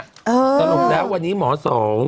ตลกแล้ววันนี้หมอสอง